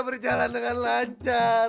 begini anak boleh